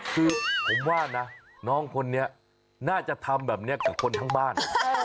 คือผมว่านะน้องคนนี้น่าจะทำแบบนี้กับคนทั้งบ้าน